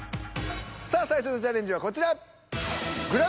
さあ最初のチャレンジはこちら。